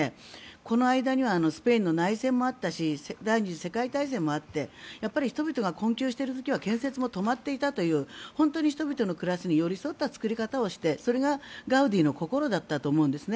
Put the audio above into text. この間にはスペインの内戦もあったし第２次世界大戦もあって人々が困窮している時は建設も止まっていたという本当に人々の暮らしに寄り添った作り方をしてそれがガウディの心だったと思うんですね。